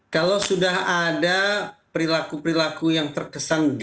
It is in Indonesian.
kalau sudah ada perilaku perilaku yang terkesan